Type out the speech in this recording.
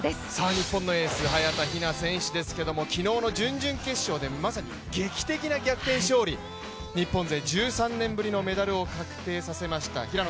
日本のエース・早田ひな選手ですけれども、昨日の準々決勝で劇的な逆転勝利、日本勢１３年ぶりのメダルを確定させました。